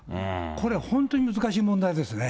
これは本当に難しい問題ですね。